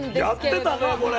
やってたねこれ。